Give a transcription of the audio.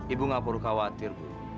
ibu gak perlu khawatir